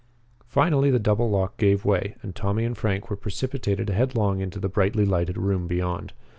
Finally the double lock gave way and Tommy and Frank were precipitated headlong into the brightly lighted room beyond.